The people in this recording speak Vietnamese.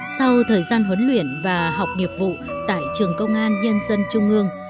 sau thời gian huấn luyện và học nghiệp vụ tại trường công an nhân dân trung ương